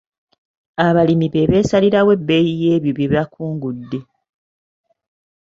Abalimi be beesalirawo ebbeeyi y'ebyo bye bakungudde.